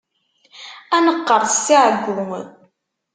Ad neqqerṣ si ɛeggu.